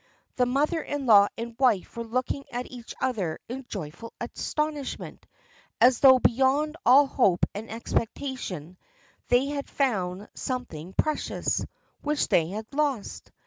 The mother in law and wife were looking at each other in joyful astonishment, as though beyond all hope and expectation they had found something precious, which they had lost.